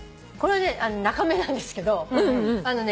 これはなかめなんですけど。